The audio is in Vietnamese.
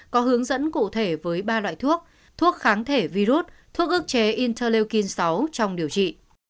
có hướng dẫn cụ thể với ba loại thuốc thuốc kháng thể virus thuốc ước chế intelin sáu trong điều trị